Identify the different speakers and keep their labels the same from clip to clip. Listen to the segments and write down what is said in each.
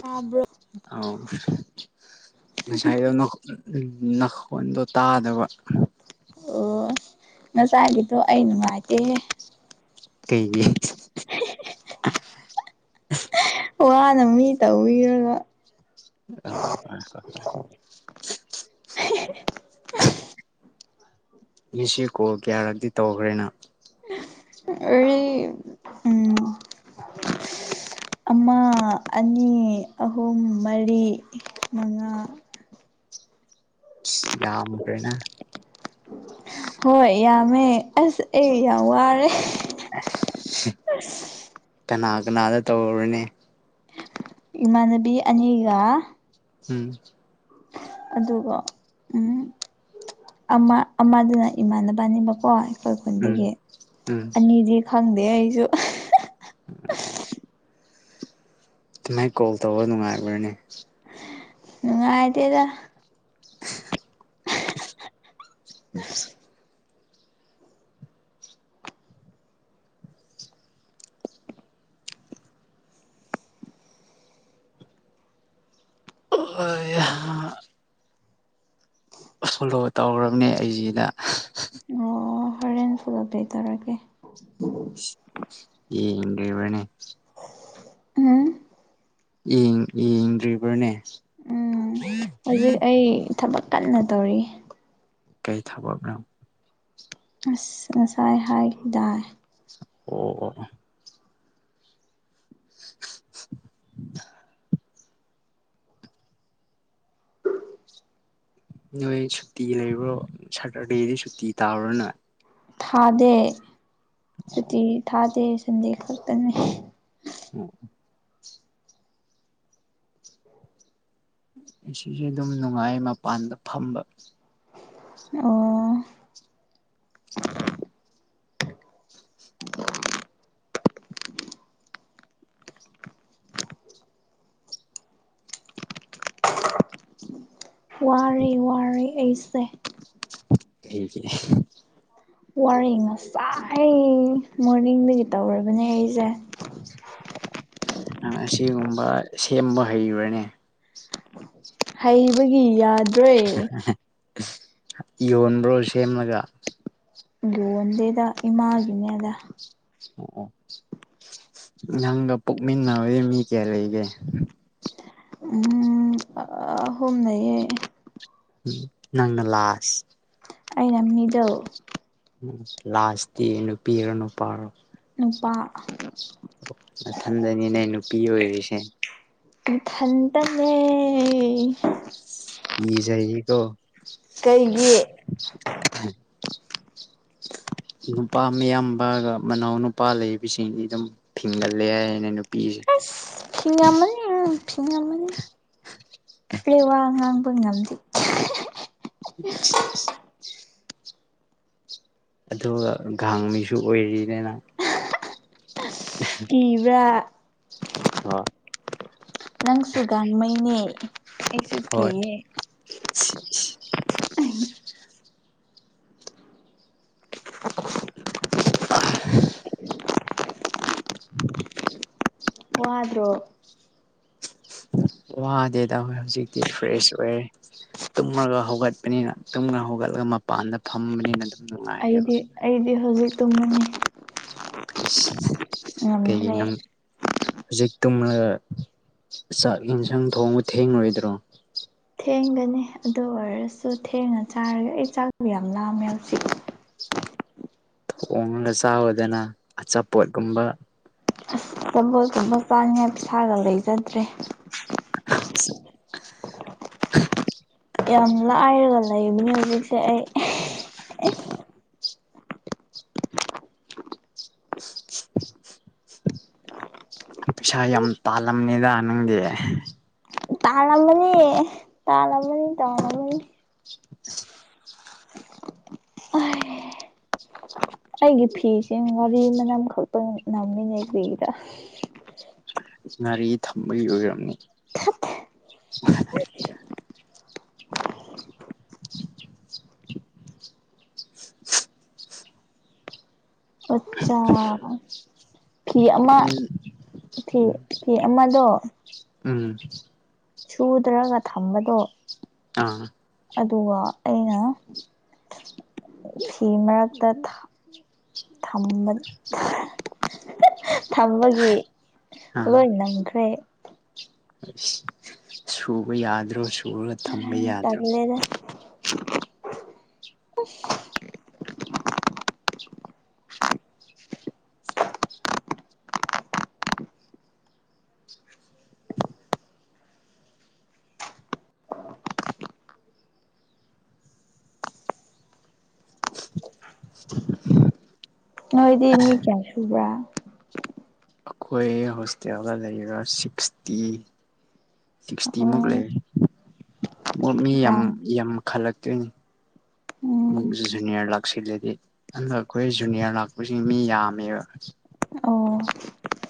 Speaker 1: ꯇꯥꯕ꯭ꯔꯣ
Speaker 2: ꯑ ꯁꯗꯅ ꯎ ꯅꯈꯣꯟꯗꯣ ꯇꯥꯗꯕ
Speaker 1: ꯑꯣ ꯉꯆꯥꯒꯤꯗꯣ ꯑꯩ ꯅꯨꯡꯉꯥꯏꯇꯦ
Speaker 2: ꯀꯩ
Speaker 1: ꯋꯥꯅ ꯃꯤ ꯇꯧꯕꯤꯔꯒ
Speaker 2: ꯑ ꯍ ꯉꯁꯤ ꯀꯣꯜ ꯀꯌꯥꯔꯗꯤ ꯇꯧꯈ꯭ꯔꯦꯅ
Speaker 1: ꯑꯦ ꯎꯝ
Speaker 2: [unintelligible]
Speaker 1: ꯑꯃ ꯑꯅꯤ ꯑꯍꯨꯝ ꯃꯔꯤ ꯃꯉꯥ
Speaker 2: ꯌꯥꯝꯈ꯭ꯔꯦꯅ
Speaker 1: ꯍꯣꯏ ꯌꯥꯝꯃꯦ ꯑꯁ ꯑꯦ ꯌꯥꯝ ꯋꯥꯔꯦ ꯑꯁ
Speaker 2: ꯀꯅꯥ ꯀꯅꯥꯗ ꯇꯧꯔꯅꯤ
Speaker 1: ꯏꯃꯥꯅꯕꯤ ꯑꯅꯤꯒ
Speaker 2: ꯎꯝ
Speaker 1: ꯑꯗꯨꯒ ꯎꯝ ꯑꯃ ꯑꯃꯗꯨꯅ ꯏꯃꯥꯟꯅꯕꯅꯤꯕꯀꯣ
Speaker 2: ꯎꯝ
Speaker 1: ꯑꯩꯣꯏꯈꯨꯜꯗꯒꯤ
Speaker 2: ꯎꯝ
Speaker 1: ꯑꯅꯤꯗꯤ ꯈꯪꯗꯦ ꯑꯩꯁꯨ
Speaker 2: ꯑ ꯑꯗꯨꯃꯥꯏꯅ ꯀꯣꯜ ꯇꯧꯕ ꯅꯨꯡꯉꯥꯏꯔꯕꯣꯏꯅꯦ
Speaker 1: ꯅꯨꯡꯉꯥꯏꯗꯦꯗ
Speaker 2: ꯎ ꯑꯣ ꯐꯣꯂꯣ ꯇꯧ꯭ꯔꯕꯅꯦ ꯑꯩꯁꯤꯅ
Speaker 1: ꯇꯦꯟ ꯐꯨꯂ ꯄꯦ ꯇꯧꯔꯛꯒꯦ
Speaker 2: ꯌꯦ ꯏꯗꯕꯅꯦ
Speaker 1: ꯎꯝ
Speaker 2: ꯌꯦꯡꯗ꯭ꯔꯤꯕ꯭ꯔꯅꯦ
Speaker 1: ꯎꯝ ꯍꯧꯖꯤꯛ ꯑꯩ ꯊꯕꯛ ꯀꯟꯅ ꯇꯧꯔꯤ
Speaker 2: ꯀꯩ ꯊꯕꯕ꯭ꯔ
Speaker 1: ꯑꯁ ꯉꯁꯥꯏ ꯍꯥꯏꯈꯤꯗꯥ
Speaker 2: ꯑꯣ ꯑꯣ ꯅꯣꯏ ꯁꯨꯇꯤ ꯂꯩꯕ꯭ꯔꯣ ꯁꯇꯔꯗꯦꯗꯤ ꯁꯨꯇꯤ ꯇꯥꯕ꯭ꯔꯣꯅ
Speaker 1: ꯊꯥꯗꯦ ꯁꯨꯇꯤ ꯊꯥꯗꯦ ꯁꯟꯗꯦ ꯈꯛꯇꯅꯦ
Speaker 2: ꯎꯝ ꯅꯨꯡꯁꯤꯠꯁꯦ ꯑꯗꯨꯝ ꯅꯨꯡꯉꯥꯏ ꯃꯄꯥꯟꯗ ꯐꯝꯕ
Speaker 1: ꯑꯣ ꯋꯥꯔꯦ ꯋꯥꯔꯦ ꯑꯩꯁꯦ
Speaker 2: ꯊꯦꯡꯦ [inaudible]
Speaker 1: ꯋꯥꯔꯦ ꯉꯁꯥꯏ ꯑꯩ ꯃꯣꯔꯅꯤꯡꯗꯒꯤ ꯇꯧꯔꯕꯅꯦ ꯑꯩꯁꯦ
Speaker 2: ꯑꯣ ꯅꯪ ꯑꯁꯤꯒꯨꯝꯕ ꯁꯦꯝꯕ ꯍꯩꯕꯔꯅꯦ
Speaker 1: ꯍꯩꯕꯒꯤ ꯌꯥꯗ꯭ꯔꯦ
Speaker 2: ꯌꯣꯟꯕ꯭ꯔꯣ ꯁꯦꯝꯃꯒ
Speaker 1: ꯌꯣꯟꯗꯦꯗ ꯏꯃꯥꯒꯤꯅꯦꯗ
Speaker 2: ꯑꯣ ꯑꯣ ꯅꯪꯒ ꯄꯨꯣꯛꯃꯤꯟꯅꯕ ꯃꯤ ꯀꯌꯥ ꯂꯩꯒꯦ
Speaker 1: ꯑꯍꯨꯝ ꯂꯩꯌꯦ
Speaker 2: ꯎ ꯅꯪꯅ ꯂꯥꯁ
Speaker 1: ꯑꯩꯩꯅ ꯃꯤꯗꯥꯜ
Speaker 2: ꯎ ꯂꯥꯁꯇꯤ ꯅꯨꯄꯤꯔꯣ ꯅꯨꯄꯥꯔꯣ
Speaker 1: ꯅꯨꯄꯥ
Speaker 2: ꯃꯊꯟꯗꯅꯤꯅꯦ ꯅꯨꯄꯤ ꯑꯣꯏꯔꯤꯁꯦ
Speaker 1: ꯢꯊꯟꯗꯅꯦ
Speaker 2: ꯀꯤꯖꯩ ꯌꯦꯀꯣ꯫
Speaker 1: ꯀꯔꯤꯒꯤ
Speaker 2: ꯅꯨꯄꯥ ꯃꯤꯌꯥꯝꯕꯒ ꯃꯅꯥꯎ ꯅꯨꯄꯥ ꯂꯩꯕꯁꯤꯡꯗꯤ ꯑꯗꯨꯝ ꯐꯤꯡꯒꯠꯂꯦ ꯍꯥꯏꯅꯦ ꯅꯨꯄꯤꯁꯦ
Speaker 1: ꯑꯁ ꯐꯤꯡꯉꯝꯃꯅꯤ ꯐꯤꯉꯝꯃꯅꯤ ꯑꯩ ꯋꯥ ꯉꯥꯡꯕ ꯉꯝꯗꯤ꯫
Speaker 2: [unintelligible] ꯑꯗꯨꯒ ꯘꯥꯡꯃꯩꯁꯨ ꯑꯣꯏꯔꯤꯅꯤꯅ
Speaker 1: ꯀꯤꯕ꯭ꯔꯥ
Speaker 2: ꯑꯣ
Speaker 1: ꯅꯪꯁꯨ ꯒꯥꯟꯃꯩꯅꯦ ꯑꯩꯁꯨ
Speaker 2: ꯍꯣꯏ
Speaker 1: ꯀꯤꯌꯦ [inaudible]
Speaker 2: [inaudible] ꯎ [inaudible]
Speaker 1: ꯋꯥꯗ꯭ꯔꯣ
Speaker 2: ꯎ [inaudible] ꯋꯥꯗꯦꯗ ꯍꯧꯖꯤꯛꯇꯤ ꯐ꯭ꯔꯦꯁ ꯑꯣꯏꯔꯦ ꯇꯨꯝꯃꯒ ꯍꯧꯒꯠꯄꯅꯤꯅ ꯇꯨꯝꯒ ꯍꯧꯒꯠꯂ ꯃꯄꯥꯟꯗ ꯐꯝꯕꯅꯤꯅ ꯑꯗꯨ
Speaker 1: ꯑꯩꯗꯤ ꯑꯩꯗꯤ ꯍꯧꯖꯤꯛ ꯇꯨꯝꯃꯅꯤ ꯉꯝꯗ꯭ꯔꯦ
Speaker 2: ꯀꯩꯒꯤꯅꯪ ꯍꯧꯖꯤꯛ꯫ ꯇꯨꯝꯂꯒ ꯆꯥꯛ ꯌꯦꯟꯁꯥꯡ ꯊꯣꯡꯕ ꯊꯦꯡꯂꯣꯏꯗ꯭ꯔꯣ꯫
Speaker 1: ꯊꯦꯡꯒꯅꯤ ꯑꯗꯨ ꯑꯣꯏꯔꯁꯨ ꯊꯦꯡꯅ ꯆꯥꯔꯒ ꯑꯩ ꯆꯥꯛꯕ ꯌꯥꯝ ꯂꯥꯝꯃꯦ ꯍꯧꯖꯤꯛ꯫
Speaker 2: ꯊꯣꯡꯉꯒ ꯆꯥꯎꯗꯅ ꯑꯆꯥꯄꯣꯠꯀꯨꯝꯕ
Speaker 1: ꯑꯁ ꯑꯆꯥꯕꯣꯠꯒꯨꯝꯕ ꯆꯥꯅꯕ ꯄꯩꯁꯥꯒ ꯂꯩꯖꯗ꯭ꯔꯦ
Speaker 2: [unintelligible]
Speaker 1: ꯌꯥꯝ ꯂꯥꯏꯔꯒ ꯂꯩꯕꯅꯦ ꯍꯧꯖꯤꯛꯁꯦ ꯑꯩ
Speaker 2: [unintelligible] ꯄꯩꯁꯥ ꯌꯥꯝ ꯇꯥꯜꯂꯝꯅꯤꯗ ꯅꯪꯗꯤ
Speaker 1: ꯇꯥꯟꯂꯥꯝꯃꯅꯤ ꯇꯥꯟꯂꯥꯝꯃꯅꯤ ꯑꯥꯏ ꯑꯩꯒꯤ ꯐꯤꯁ ꯉꯥꯔꯤ ꯃꯅꯝ ꯈꯛꯇꯪ ꯅꯝꯃꯤꯅꯦ ꯐꯤꯒ
Speaker 2: ꯉꯥꯔꯤ ꯊꯝꯕꯒꯤ ꯑꯣꯏꯔꯝꯅꯤ
Speaker 1: ꯊꯠ
Speaker 2: [unintelligible]
Speaker 1: ꯑꯆꯥꯆꯥ ꯐꯤ ꯑꯃ
Speaker 2: ꯎꯝ
Speaker 1: ꯐꯤ ꯐꯤ ꯑꯃꯗꯣ
Speaker 2: ꯎꯝ
Speaker 1: ꯁꯨꯗ꯭ꯔꯒ ꯊꯝꯕꯗꯣ
Speaker 2: ꯑꯥ
Speaker 1: ꯑꯗꯨꯒ ꯑꯩꯅ ꯐꯤ ꯃꯔꯛꯇ ꯊꯝꯕ ꯊꯝꯕꯒꯤ
Speaker 2: ꯑꯥ
Speaker 1: ꯂꯣꯏ ꯅꯪꯈ꯭ꯔꯦ
Speaker 2: ꯁꯨꯕ ꯌꯥꯗ꯭ꯔꯣ ꯁꯨꯔꯒ ꯊꯝꯕ ꯌꯥꯗ꯭ꯔꯣ
Speaker 1: ꯇꯜꯂꯦꯗ [unintelligible] ꯅꯣꯏꯗꯤ ꯃꯤ ꯀꯌꯥꯁꯨꯕ꯭ꯔꯥ
Speaker 2: ꯑꯩꯈꯣꯏ ꯍꯣꯁꯇꯦꯜꯗ ꯂꯩꯔꯤꯕ ꯁꯤꯛꯁꯇꯤ ꯁꯤꯛꯁꯇꯤꯃꯨꯛ
Speaker 1: ꯑꯣ
Speaker 2: ꯂꯩꯦ ꯃꯤ ꯌꯥꯝ ꯌꯥꯝ ꯈꯜꯂꯛ ꯇꯅ
Speaker 1: ꯎꯝ
Speaker 2: ꯖꯨꯅꯤꯌꯔ ꯂꯥꯛꯁꯤꯜꯂꯗꯤ ꯑꯗꯨ ꯑꯩꯈꯣꯏ ꯖꯨꯅꯤꯌꯔ ꯂꯥꯛꯄꯁꯤ ꯃꯤ ꯌꯥꯝꯃꯦꯕ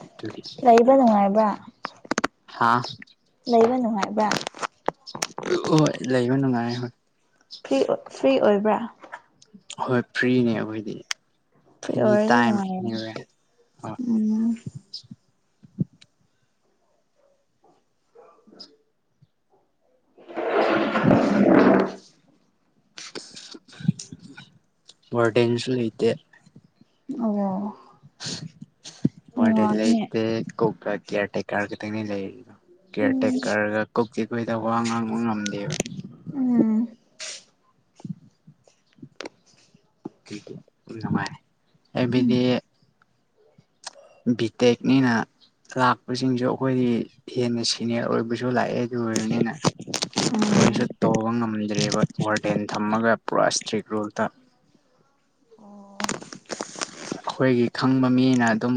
Speaker 2: ꯑꯗꯨꯒꯤ
Speaker 1: ꯂꯩꯥꯏꯕ ꯑꯗꯨꯅꯨꯡꯉꯥꯏꯕ
Speaker 2: ꯍꯥꯥ
Speaker 1: ꯂꯩꯕ ꯅꯅꯨꯡꯉꯥꯏꯕ
Speaker 2: ꯍꯣꯏ ꯂꯩꯕ ꯅꯨꯡꯉꯥꯏꯔꯦ ꯍꯣꯏ
Speaker 1: ꯐꯔꯤ ꯐ꯭ꯔꯤ ꯑꯣꯏꯕ꯭ꯔꯥ
Speaker 2: ꯍꯣꯏ ꯐ꯭ꯔꯤꯅꯦ ꯑꯩꯈꯣꯏꯗꯤ
Speaker 1: ꯐ꯭ꯔꯤ
Speaker 2: ꯑꯦꯅꯤ
Speaker 1: ꯑꯣꯏꯔꯗꯤ
Speaker 2: ꯇꯥꯏꯝ
Speaker 1: ꯅꯨꯡꯉꯥꯏꯔꯅꯤ
Speaker 2: ꯑꯦꯅꯤꯋꯦ
Speaker 1: ꯎꯝ ꯎ
Speaker 2: [inaudible] ꯋꯥꯔꯗꯦꯟꯁꯨ ꯂꯩꯇ
Speaker 1: ꯑꯣ
Speaker 2: ꯋꯥ
Speaker 1: ꯅꯨꯡꯉꯥꯏꯅꯦ
Speaker 2: ꯂꯩꯦ ꯀꯣꯛꯀꯤꯌꯥꯇꯦꯛ ꯀꯥꯔꯅꯤ ꯂꯩꯣ ꯀꯤꯌꯔ ꯇꯦꯛꯀꯔꯒ ꯀꯨꯞ ꯆꯤ ꯀꯨꯣꯏꯗ ꯋꯥ ꯉꯥꯡꯕ ꯉꯝꯗꯦꯕ
Speaker 1: ꯎꯝ
Speaker 2: ꯉꯥꯏ ꯑꯩꯕꯗꯤ ꯕꯤꯇꯦꯛꯦꯛꯅꯤꯅ ꯂꯥꯛꯄꯁꯤꯡꯁꯨ ꯑꯩꯈꯣꯏꯗꯤ ꯍꯦꯟꯅ ꯁꯤꯅꯤꯌꯔ ꯑꯣꯏꯕꯁꯨ ꯂꯥꯛꯑꯦ ꯑꯗꯨ ꯑꯣꯏꯔꯕꯅꯤꯅ ꯃꯣꯏꯁꯨ ꯇꯧꯕ ꯉꯝꯗ꯭ꯔꯦꯕ ꯋꯥꯔꯗꯦꯟ ꯊꯝꯃꯒ ꯄꯨꯔꯥ ꯏꯁꯇ꯭ꯔꯤꯛ ꯔꯨꯜꯗ ꯎ ꯑꯩꯈꯣꯏꯒꯤ ꯈꯪꯕ ꯃꯤꯅ ꯑꯗꯨꯝ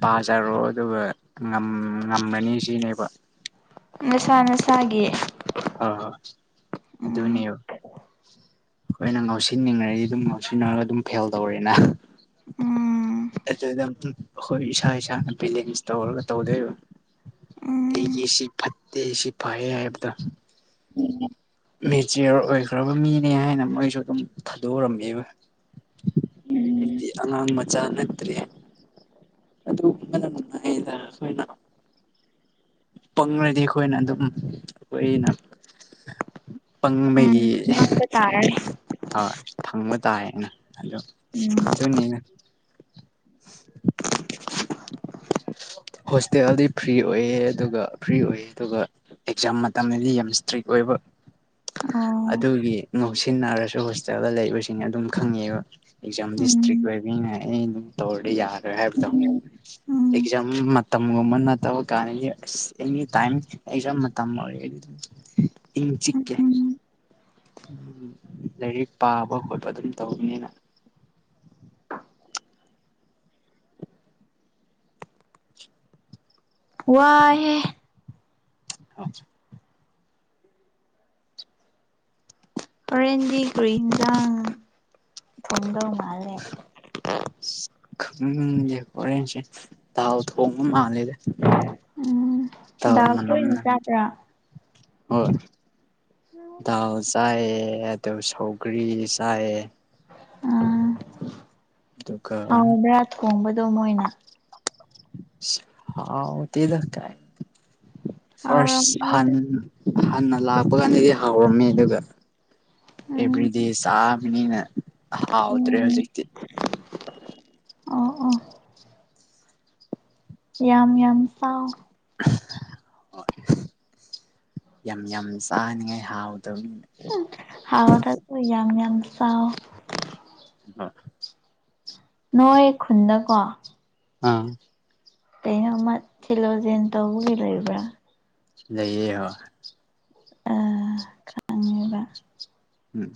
Speaker 2: ꯄꯥꯖꯔꯣ ꯑꯗꯨꯒ ꯉꯝꯃꯅꯤ ꯁꯤꯅꯦꯕ
Speaker 1: ꯅꯁꯥ ꯅꯁꯥꯒꯤ
Speaker 2: ꯑꯗꯨ
Speaker 1: ꯎꯝ
Speaker 2: ꯑꯗꯨꯅꯦꯕ ꯑꯩꯈꯣꯏꯅ ꯉꯥꯎꯁꯤꯟꯅꯤꯡꯉꯗꯤ ꯑꯗꯨꯝ ꯉꯥꯎꯁꯤꯟꯅꯔꯒ ꯑꯗꯨꯝ ꯐꯦꯜ ꯇꯧꯔꯦꯅ [unintelligible]
Speaker 1: ꯎꯝ
Speaker 2: ꯑꯗꯨꯗ ꯑꯩꯈꯣꯏ ꯏꯁꯥ ꯏꯁꯥꯅ ꯕꯦꯂꯦꯟꯁ ꯇꯧꯔꯒ ꯇꯧꯗꯣꯏꯕ ꯑꯩ
Speaker 1: ꯎꯝ
Speaker 2: ꯌꯦꯁꯤ ꯐꯠꯇꯦꯁꯤ ꯄꯥꯌꯦ ꯍꯥꯏꯕꯗ ꯃꯦꯆꯤꯌꯣꯔ ꯑꯣꯏꯈ꯭ꯔꯕ ꯃꯤꯅꯦ ꯍꯥꯏꯅ ꯃꯣꯏꯁꯨ ꯑꯗꯨꯝ ꯊꯥꯗꯣꯛꯎꯔꯝꯃꯦꯕ ꯗꯤ ꯑꯉꯥꯡ ꯃꯆꯥꯅ ꯑꯗꯨ ꯃꯅꯗ ꯑꯩꯈꯣꯏꯅ ꯄꯪꯉꯗꯤ ꯑꯩꯈꯣꯏꯅ ꯑꯗꯨꯝ ꯑꯩꯅ ꯄꯪꯕꯩ
Speaker 1: ꯅꯪ ꯇꯥꯔꯥꯔꯦ
Speaker 2: ꯍꯣꯏ ꯊꯪꯕ ꯇꯥꯏ ꯑꯩꯅ ꯑꯗꯨ
Speaker 1: ꯎꯝ
Speaker 2: ꯑꯗꯨꯅꯤꯅ [inaudible]
Speaker 1: [unintelligible]
Speaker 2: ꯑꯣ ꯍꯣꯁꯇꯦꯜꯗꯤ ꯐ꯭ꯔꯤ ꯑꯣꯏꯌꯦ ꯑꯗꯨꯒ ꯐ꯭ꯔꯤ ꯑꯣꯏꯑ ꯑꯗꯨꯒ ꯑꯦꯛꯖꯥꯝ ꯃꯇꯝꯗꯤ ꯌꯥꯝ ꯏꯁꯇ꯭ꯔꯤꯛ ꯑꯣꯏꯕ [inaudible]
Speaker 1: ꯑꯣ
Speaker 2: ꯑꯗꯨꯒꯤ ꯉꯧꯁꯤꯟꯅꯔꯁꯨ ꯍꯣꯁꯇꯦꯜꯗ ꯂꯩꯕꯁꯤꯡ ꯑꯗꯨꯝ ꯈꯪꯉꯦꯕ ꯑꯦꯛꯖꯥꯝꯗꯤ ꯁꯇ꯭ꯔꯤꯛ
Speaker 1: ꯎꯝ
Speaker 2: ꯑꯣꯏꯕꯅꯤꯅ ꯑꯩꯅ ꯑꯗꯨꯝ ꯇꯧꯔꯗꯤ ꯌꯥꯔ‌ꯣꯏ ꯍꯥꯏꯕꯗ‌ꯣ
Speaker 1: ꯎꯝ
Speaker 2: ꯑꯦꯛꯖꯥꯝ ꯃꯇꯝꯒꯨꯝꯕ ꯅꯠꯇꯕ ꯀꯥꯟꯗ ꯑꯁ ꯑꯦꯅꯤ ꯇꯥꯏꯝ ꯑꯦꯛꯖꯥꯝ ꯃꯇꯝ ꯑꯣꯏꯔꯒꯗꯤ ꯏꯪ ꯆꯤꯛꯀ‌ꯦ
Speaker 1: ꯎꯝ
Speaker 2: ꯎꯝ ꯂꯥꯏꯔꯤꯛ ꯄꯥꯕ ꯈꯣꯠꯄ ꯑꯗꯨꯝ ꯇꯧꯕꯧꯕꯅꯤꯅ
Speaker 1: ꯋꯥꯏꯍ‌ꯦ
Speaker 2: ꯑ [inaudible]
Speaker 1: ꯍ‌ꯣꯔꯦꯟꯗꯤ ꯀ꯭ꯔꯤ ꯍꯤꯟꯖꯥꯡ ꯊ‌ꯣꯡꯗꯧ ꯃꯥꯂꯦ
Speaker 2: ꯈꯪꯗ‌ꯦ ꯍ‌ꯣꯔ‌ꯦꯟꯁ‌ꯦ ꯇꯥꯎ ꯊꯣꯡꯕ ꯃꯥꯜꯂꯦꯗ
Speaker 1: ꯎꯝ
Speaker 2: ꯇꯥꯎ
Speaker 1: ꯗꯥꯜ
Speaker 2: ꯃꯅꯝ
Speaker 1: ꯇꯣꯏꯅ
Speaker 2: ꯅꯝ
Speaker 1: ꯆꯥꯕ꯭ꯔꯥ
Speaker 2: ꯗꯥꯜ ꯆꯥꯏꯌꯦ ꯑꯗꯨ ꯁꯧꯒ꯭ꯔꯤ ꯆꯥꯏꯌꯦ
Speaker 1: ꯑꯥ
Speaker 2: ꯑꯗꯨꯒ
Speaker 1: ꯍꯣꯡꯕꯗꯣ ꯃꯣꯏꯅ
Speaker 2: ꯍꯥꯎꯗ‌ꯦꯗ ꯀꯥꯏ ꯐ꯭ꯔꯁ ꯑꯍꯥꯟ
Speaker 1: ꯍꯥꯎꯔꯝꯃꯣꯏꯗ
Speaker 2: ꯍꯥꯟꯅ ꯂꯥꯛꯄ ꯀꯥꯟꯗꯗꯤ ꯍꯥꯎꯔꯝꯃꯦ ꯑꯗꯨꯒ
Speaker 1: ꯎꯝ
Speaker 2: ꯑꯦꯚ꯭ꯔꯤꯗꯦ ꯆꯥꯕꯅꯤꯅ ꯍꯥꯎꯗ꯭ꯔꯦ
Speaker 1: ꯎꯝ
Speaker 2: ꯍꯧꯖꯤꯛꯇꯤ
Speaker 1: ꯑ‌ꯣ ꯑ‌ꯣ ꯌꯥꯝ ꯌꯥꯝ ꯆꯥꯎ
Speaker 2: ꯍ ꯌꯥꯝ ꯌꯥꯝ ꯆꯥꯅꯤꯡꯉꯥꯏ ꯍꯥꯎ
Speaker 1: ꯍꯥꯎꯗ꯭ꯔꯁꯨ ꯌꯥꯝ ꯌꯥꯝ ꯆꯥꯑꯣ
Speaker 2: ꯑꯥ
Speaker 1: ꯅꯣꯏ ꯈꯨꯟꯗꯀꯣ
Speaker 2: ꯑꯥ
Speaker 1: ꯀꯩꯅ‌ꯣ ꯑꯃ ꯊꯤꯂꯣꯁꯦꯅ ꯇꯧꯕꯒꯤ ꯂꯩꯕ꯭ꯔꯥ
Speaker 2: ꯂꯩꯏꯌꯦ ꯍ‌ꯣꯏ
Speaker 1: ꯑꯥ
Speaker 2: ꯎꯝ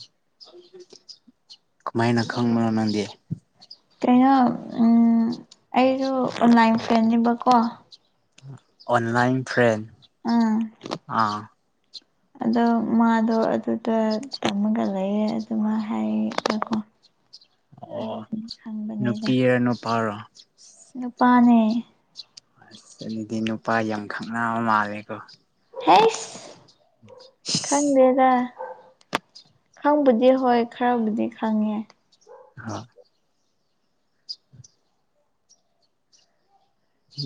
Speaker 2: ꯀꯃꯥꯏꯅ ꯈꯪꯕꯣ ꯅꯪꯗꯤ
Speaker 1: ꯀꯩꯅꯣ ꯑꯩꯁꯨ ꯑꯣꯟꯂꯥꯏꯟ ꯐ꯭ꯔꯦꯟꯅꯦꯕꯀꯣ
Speaker 2: ꯑꯣꯟꯂꯥꯏꯟ ꯐ꯭ꯔꯦꯟ
Speaker 1: ꯎꯝ
Speaker 2: ꯑꯥ
Speaker 1: ꯑꯗꯣ ꯃꯥꯗꯣ ꯑꯗꯨꯗ ꯇꯝꯃꯒ ꯂꯩꯌꯦ ꯑꯗꯨꯃ ꯍꯥꯏꯒꯀꯣ
Speaker 2: ꯑꯣ ꯅꯨꯄꯤꯔ ꯅꯨꯄꯥꯔꯣ
Speaker 1: ꯅꯨꯄꯥꯅꯦ
Speaker 2: ꯑꯁ ꯑꯗꯨꯗꯤ ꯅꯨꯄꯥ ꯌꯥꯝ ꯈꯪꯅꯕ ꯃꯥꯜꯂꯦꯀꯣ
Speaker 1: ꯍꯁ ꯈꯪꯗꯦꯗ ꯈꯪꯕꯨꯗꯤ ꯍꯣꯏ ꯈꯔꯕꯨꯗꯤ ꯈꯪꯉꯦ
Speaker 2: ꯍꯥ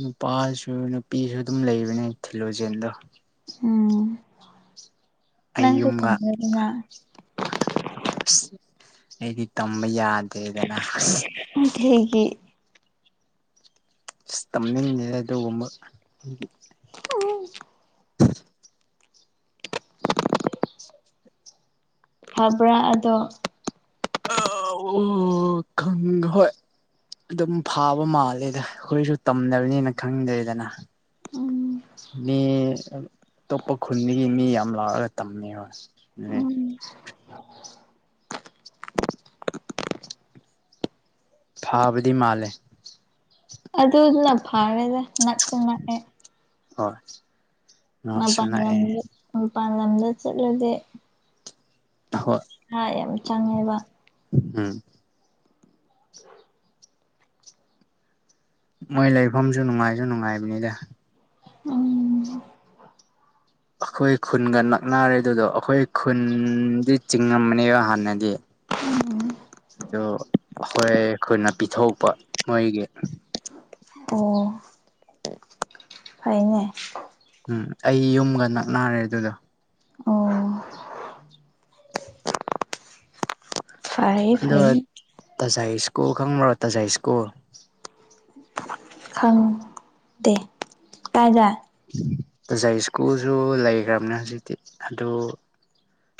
Speaker 2: ꯅꯨꯄꯥꯁꯨ ꯅꯨꯄꯤꯁꯨ ꯑꯗꯨꯝ ꯂꯩꯕꯅꯦ ꯊꯤꯜꯂꯣꯖꯦꯜꯗ
Speaker 1: ꯎꯝ
Speaker 2: ꯑꯩ
Speaker 1: ꯅꯪꯁꯨ
Speaker 2: ꯌꯨꯝꯒ
Speaker 1: ꯇꯝꯃꯦꯗꯅ
Speaker 2: ꯑꯁ ꯑꯩꯗꯤ ꯇꯝꯕ ꯌꯥꯗꯦꯗꯅ
Speaker 1: ꯀꯩꯒꯤ
Speaker 2: ꯑ ꯇꯝꯅꯤꯡꯗ‌ꯦ ꯑꯗꯨꯒꯨꯝꯕ ꯑꯩꯗꯤ
Speaker 1: ꯎꯝ ꯐꯕ꯭ꯔꯥ ꯑꯗꯣ
Speaker 2: ꯑ ꯑꯣ ꯈꯪ ꯍꯣꯏ ꯑꯗꯨꯝ ꯐꯥꯕ ꯃꯥꯜꯂꯦꯗ ꯑꯩꯈꯣꯏꯁꯨ ꯇꯝꯅꯕꯅꯤꯅ ꯈꯪꯗ‌ꯦꯗꯅ
Speaker 1: ꯎꯝ
Speaker 2: ꯃ‌ꯦ ꯑꯇꯣꯞꯄ ꯈꯨꯟꯗꯒꯤ ꯃꯤ ꯌꯥꯝ ꯂꯥꯛꯑꯒ ꯇꯝꯃꯦ ꯍꯣꯏ
Speaker 1: ꯎꯝ
Speaker 2: ꯐꯥꯕꯗꯤ ꯃꯥꯜꯂꯦ
Speaker 1: ꯑꯗꯨꯗꯅ ꯐꯥꯔꯗ ꯅꯛꯁꯨ ꯅꯛꯑꯦ
Speaker 2: ꯍꯣꯏ ꯉꯥꯛꯁꯨ
Speaker 1: ꯃꯄꯥꯟ
Speaker 2: ꯅꯥꯛꯑꯦ
Speaker 1: ꯂꯝꯗ ꯃꯄꯥꯟ ꯂꯝꯗ ꯆꯠꯂꯗꯤ
Speaker 2: ꯍꯣꯏ
Speaker 1: ꯍ ꯌꯥꯝ ꯆꯪꯉꯦꯕ
Speaker 2: ꯎꯝ ꯃꯣꯏ ꯂꯩꯐꯝꯁꯨ ꯅꯨꯡꯉꯥꯏꯁꯨ ꯅꯨꯡꯉꯥꯏꯕꯅꯤꯗ
Speaker 1: ꯎꯝ
Speaker 2: ꯑꯩꯈꯣꯏ ꯈꯨꯟꯒ ꯅꯛꯅꯔꯦ ꯑꯗꯨꯗꯣ ꯑꯩꯈꯣꯏ ꯈꯨꯟꯗꯤ ꯆꯤꯡꯉꯝꯝꯕꯅꯦꯕ ꯍꯥꯟꯅꯗꯤ
Speaker 1: ꯎꯝ
Speaker 2: ꯑꯗꯨ ꯍꯣꯏ ꯑꯩꯈꯣꯏꯅ ꯄꯤꯊꯣꯛꯄ ꯃꯣꯏꯒꯤ
Speaker 1: ꯑꯣ ꯐꯥꯏꯅꯦ
Speaker 2: ꯎꯝ ꯑꯩ ꯌꯨꯝꯒ ꯅꯛꯅꯔꯦ ꯑꯗꯨꯗꯣ
Speaker 1: ꯑꯣ ꯐꯥꯏ
Speaker 2: ꯑꯗꯣ
Speaker 1: ꯐꯩ
Speaker 2: ꯇꯖꯥꯏ ꯁ‍꯭ꯀꯨꯂ ꯈꯪꯕ꯭ꯔ ꯇꯖꯥꯏ ꯁ꯭ꯀꯨꯂ
Speaker 1: ꯈꯪꯗꯦ ꯇꯥꯏꯗ
Speaker 2: ꯇꯖꯥꯏ ꯁ꯭ꯀꯨꯜꯁꯨ ꯂꯩꯈ꯭ꯔꯕꯅꯦ ꯍꯧꯖꯤꯛꯇꯤ ꯑꯗꯨ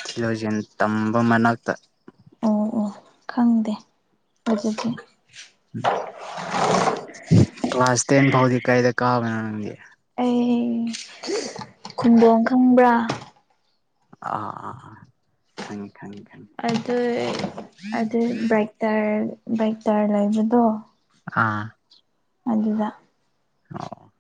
Speaker 2: ꯊꯤꯂꯣꯖꯤꯟ ꯇꯝꯕ ꯃꯅꯥꯛꯇ
Speaker 1: ꯑꯣ ꯑꯣ ꯈꯪꯗꯦ ꯑꯗꯨꯗꯤ
Speaker 2: [inaudible] ꯀ꯭ꯂꯥꯁ ꯇꯦꯟ ꯐꯥꯎꯗꯤ ꯀꯥꯏꯗ ꯀꯥꯕꯅꯣ ꯅꯪꯒꯤ
Speaker 1: ꯈꯨꯟꯗꯣꯡ ꯈꯪꯕ꯭ꯔꯥ
Speaker 2: ꯑ ꯑꯥ ꯑꯥ ꯈꯪ
Speaker 1: ꯑꯗꯨ ꯑꯗꯨ ꯕ꯭ꯔꯦꯛ ꯇꯔ ꯕ꯭ꯔꯦꯛ ꯇꯔ ꯂꯩꯕꯗꯣ
Speaker 2: ꯑꯥ
Speaker 1: ꯑꯗꯨꯗ
Speaker 2: ꯑꯣ